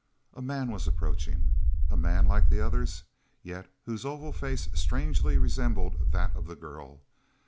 man was approaching, a man like the others, yet whose oval face strangely resembled that of the girl.